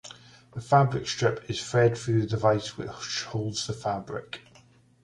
The fabric strip is fed through the device, which folds the fabric.